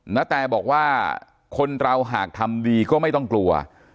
นาแตบอกว่าคนเราหากทำดีก็ไม่ต้องกลัว